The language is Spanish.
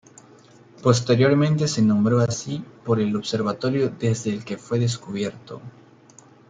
Posteriormente se nombró así por el observatorio desde el que fue descubierto.